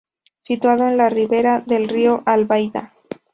Situado en la ribera del río Albaida.